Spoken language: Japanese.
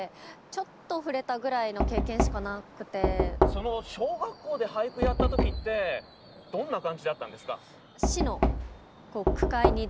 その小学校で俳句やった時ってどんな感じだったんですか？